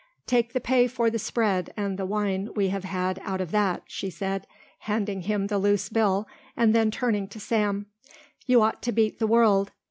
"Take the pay for the spread and the wine we have had out of that," she said, handing him the loose bill and then turning to Sam. "You ought to beat the world.